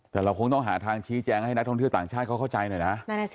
แต่เราคงต้องหาทางชี้แจงให้นักท่องเที่ยวต่างชาติเขาเข้าใจหน่อยนะ